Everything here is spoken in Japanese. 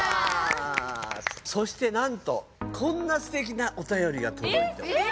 そしてなんとこんなすてきなお便りがとどいております。